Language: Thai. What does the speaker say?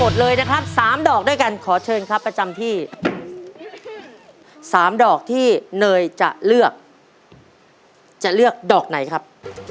ดรอกที่สามเลือกครับ